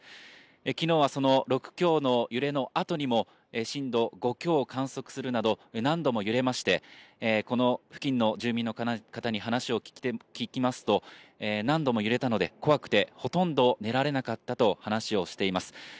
昨日は、その６強の揺れの後にも、震度５強を観測するなど、何度も揺れましてこの付近の住民の方に話を聞きますと、何度も揺れたので怖くてほとんど寝られなかったと話しをしています。